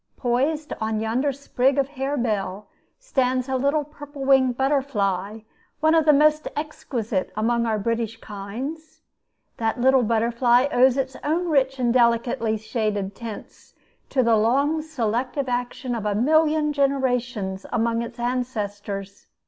Poised on yonder sprig of harebell stands a little purple winged butterfly, one of the most exquisite among our British kinds. That little butterfly owes its own rich and delicately shaded tints to the long selective action of a million generations among its ancestors.